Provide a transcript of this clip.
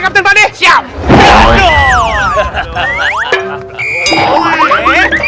kapten pade tolong saya kapten pade